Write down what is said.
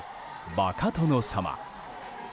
バカ殿様。